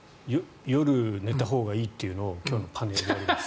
夜寝たほうがいいというのを今日のパネルでやります。